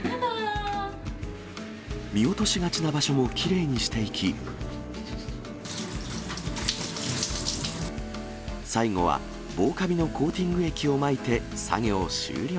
見落としがちな場所もきれいにしていき、最後は防かびのコーティング液をまいて、作業終了。